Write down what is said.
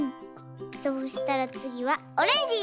そうしたらつぎはオレンジ！